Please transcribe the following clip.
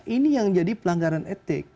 ini yang jadi pelanggaran etik